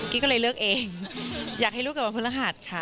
ก็เลยเลือกเองอยากให้ลูกเกิดวันพฤหัสค่ะ